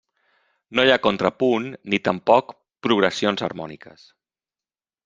No hi ha contrapunt ni tampoc progressions harmòniques.